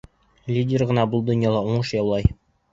Лидер ғына был донъяла уңыш яулай.